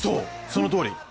そのとおり！